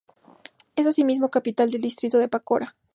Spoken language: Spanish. Es asimismo capital del distrito de Pacora.